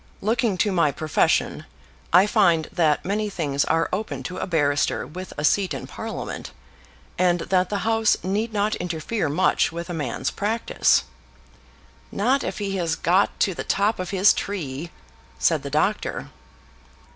Looking to my profession, I find that many things are open to a barrister with a seat in Parliament, and that the House need not interfere much with a man's practice. ("Not if he has got to the top of his tree," said the doctor.)